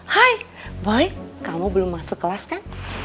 hai boy kamu belum masuk kelas kan